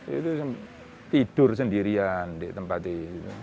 itu tidur sendirian di tempat itu